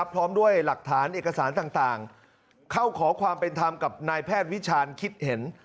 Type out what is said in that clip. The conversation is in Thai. พร้อมด้วยหลักฐานเอกสารต่างเข้าขอความเป็นธรรมกับนายแพทย์วิชาณคิดเห็น